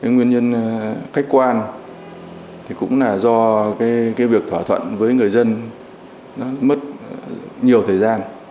nguyên nhân khách quan thì cũng là do cái việc thỏa thuận với người dân nó mất nhiều thời gian